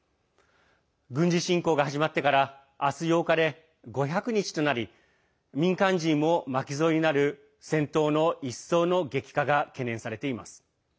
軍事侵攻が始まってから明日８日で５００日となり民間人も巻き添えになる戦闘の一層の激化が懸念されています。